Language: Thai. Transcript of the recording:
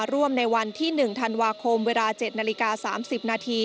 ร่วมในวันที่๑ธันวาคมเวลา๗นาฬิกา๓๐นาที